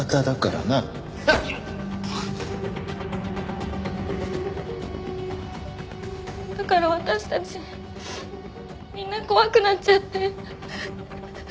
だから私たちみんな怖くなっちゃって。